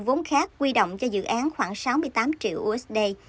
các dự án khác quy động cho dự án khoảng sáu mươi tám triệu usd